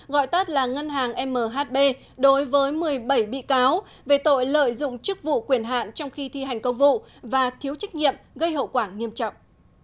gọi tắt là ngân hàng mhb đối với một mươi bảy bị cáo về tội lợi dụng chức vụ quyền hạn trong khi thi hành công vụ và thiếu trách nhiệm gây hậu quả nghiêm trọng